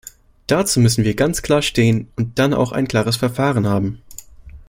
Dazu müssen wir ganz klar stehen und dann auch ein klares Verfahren haben.